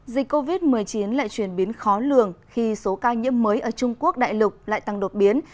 dịch covid một mươi chín lại chuyển biến khó lường khi số ca nhiễm mới ở trung quốc đại lục lại tăng đột biến